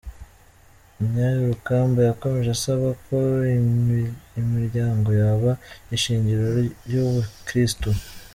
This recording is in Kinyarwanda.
Myr Rukamba yakomeje asaba ko imiryango yaba ishingiro ry’ubukristu.